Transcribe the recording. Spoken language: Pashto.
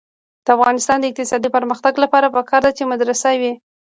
د افغانستان د اقتصادي پرمختګ لپاره پکار ده چې مدرسه وي.